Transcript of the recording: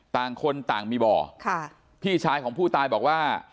ต่างคนต่างมีบ่อค่ะพี่ชายของผู้ตายบอกว่า